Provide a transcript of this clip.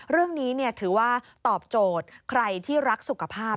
เรื่องนี้ถือว่าตอบโจทย์ใครที่รักสุขภาพ